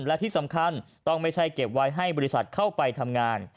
และที่สำคัญต้องไม่ใช่เก็บไว้ให้บริษัทเข้าไปทำงาน